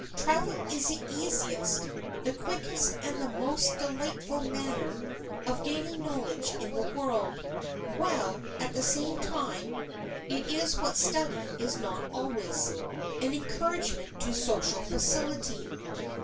Travel is the easiest, the quickest and the most delightful manner of gaining knowledge in the world, while, at the same time, it is what study is not always, an encouragement to social facility.